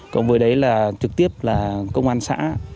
cộng với đấy là trực tiếp là công an xã